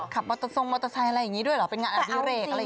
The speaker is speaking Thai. กับนี้หรือเปล่า